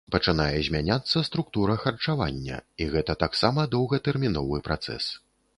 Пачынае змяняцца структура харчавання, і гэта таксама доўгатэрміновы працэс.